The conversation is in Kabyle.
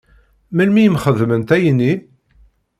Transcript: Melmi i m-xedment ayenni?